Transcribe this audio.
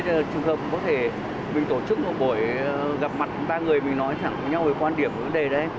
để chung hùm có thể mình tổ chức một buổi gặp mặt ba người mình nói chuyện với nhau về quan điểm của vấn đề đây